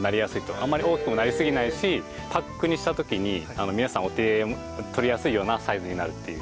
あんまり大きくもなりすぎないしパックにした時に皆さんお手に取りやすいようなサイズになるっていう。